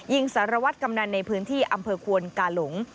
สารวัตรกำนันในพื้นที่อำเภอควนกาหลง